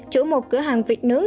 chủ một cửa hàng vịt nướng